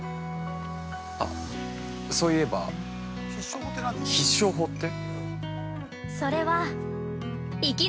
あ、そういえば、必勝法って？